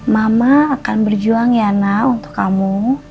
mama akan berjuang yana untuk kamu